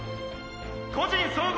個人総合